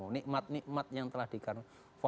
nikmat nikmat yang telah dikanfat